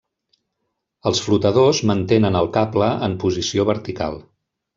Els flotadors mantenen el cable en posició vertical.